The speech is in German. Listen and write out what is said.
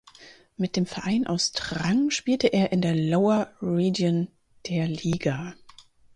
Mit dem Verein aus Trang spielte er in der "Lower Region" der Liga.